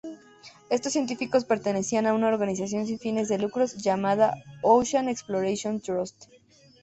Estos científicos pertenecían a una organización sin fines de lucro llamada Ocean Exploration Trust.